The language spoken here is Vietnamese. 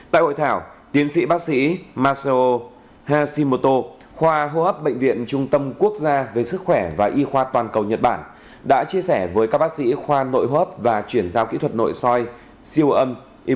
tại hội thảo tiến sĩ bác sĩ masao hashimoto khoa hô hấp bệnh viện trung tâm quốc gia về sức khỏe và y khoa toàn cầu nhật bản đã chia sẻ với các bác sĩ khoa nội hô hấp và chuyển giao kỹ thuật nội soi siêu âm